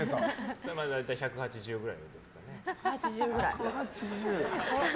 それは大体１８０ぐらいですね。